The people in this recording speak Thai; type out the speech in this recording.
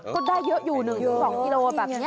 ก็ได้เยอะอยู่๑๒กิโลแบบนี้